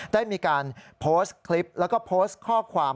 ได้มีการโพสต์คลิปแล้วก็โพสต์ข้อความ